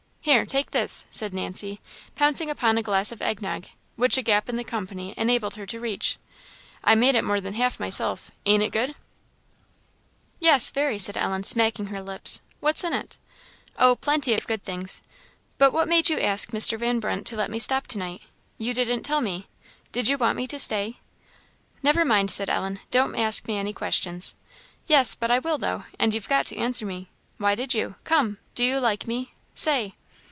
Here take this," said Nancy, pouncing upon a glass of egg nog, which a gap in the company enabled her to reach; "I made it more than half myself. Ain't it good?" "Yes, very," said Ellen, smacking her lips; "what's in it?" "Oh, plenty of good things. But what made you ask Mr. Van Brunt to let me stop to night? you didn't tell me did you want me to stay?" "Never mind," said Ellen; "don't ask me any questions." "Yes, but I will though: and you've got to answer me. Why did you? Come! do you like me? say!"